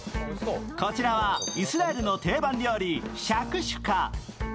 こちらはイスラエルの定番料理、シャクシュカ。